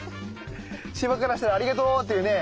シバからしたらありがとうっていうね。